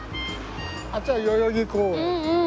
あっちは代々木公園で。